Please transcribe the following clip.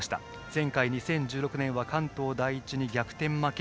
前回２０１６年は関東第一に逆転負け。